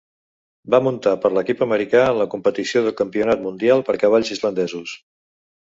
Va muntar per l'equip americà en la competició del campionat mundial per cavalls islandesos.